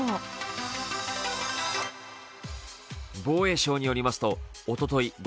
防衛省によりますとおととい